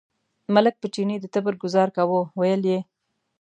ملک په چیني د تبر ګوزار کاوه، ویل یې.